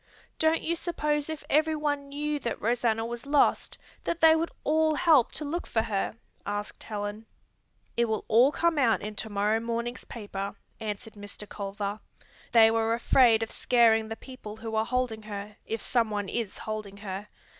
"Don't you suppose if everyone knew that Rosanna was lost that they would all help to look for her?" asked Helen. "It will all come out in to morrow morning's paper," answered Mr. Culver. "They were afraid of scaring the people who are holding her, if someone is holding her.